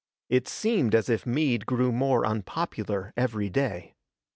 It seemed as if Meade grew more unpopular every day.